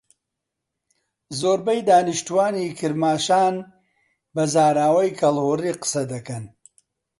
زۆربەی دانیشتووانی کرماشان بە زاراوەی کەڵهوڕی قسەدەکەن.